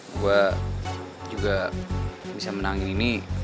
gue juga bisa menangin ini